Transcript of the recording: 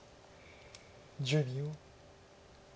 １０秒。